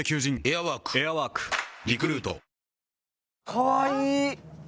かわいい！